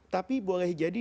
tapi boleh jadi